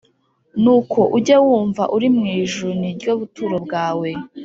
nuko ujye wumva uri mu ijuru ni ryo buturo bwawe,